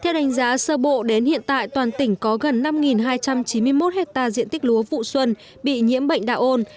theo đánh giá sơ bộ đến hiện tại toàn tỉnh có gần năm hai trăm chín mươi một hectare diện tích lúa vụ xuân bị nhiễm bệnh đạo ôn